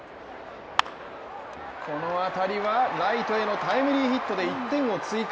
この当たりはライトへのタイムリーヒットで１点を追加。